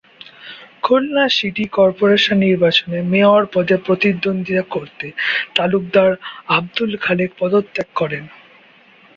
Khulna city corporation নির্বাচনে mayor পদে প্রতিদ্বন্দ্বিতা করতে তালুকদার আবদুল খালেক পদত্যাগ করেন।